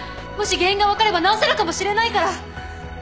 もし原因が分かれば治せるかもしれないから。